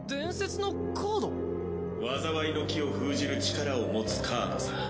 災いの樹を封じる力を持つカードさ。